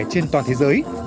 trên toàn thế giới